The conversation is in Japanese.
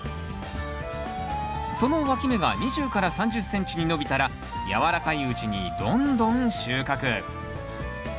そのわき芽が２０３０ｃｍに伸びたらやわらかいうちにどんどん収穫。